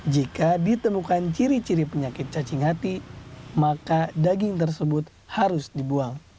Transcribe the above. jika ditemukan ciri ciri penyakit cacing hati maka daging tersebut harus dibuang